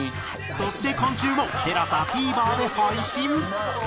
そして今週もＴＥＬＡＳＡＴＶｅｒで配信。